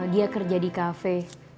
dia kerja di cafe